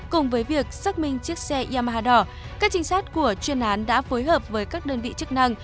cùng với việc xác minh chiếc xe yamaha đỏ các trinh sát của chuyên án đã phối hợp với các đơn vị chức năng